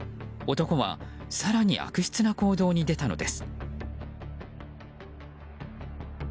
男は更に悪質な行動に出たのです。